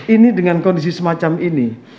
ini dengan kondisi semacam ini